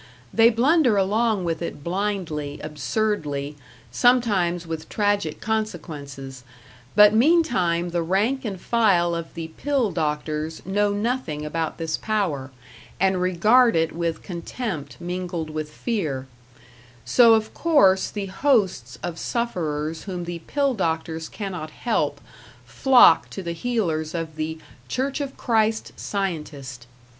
They blunder along with it blindly, absurdly, sometimes with tragic consequences; but meantime the rank and file of the pill doctors know nothing about this power, and regard it with contempt mingled with fear; so of course the hosts of sufferers whom the pill doctors cannot help flock to the healers of the "Church of Christ, Scientist".